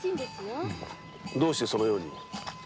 どうしてそのように？